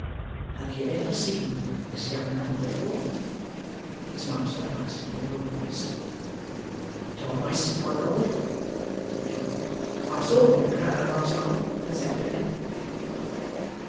'Have you ever seen this young man before?' his master asked in a low voice. 'Twice, my lord,' said John. 'I saw him in the crowd last night and Saturday.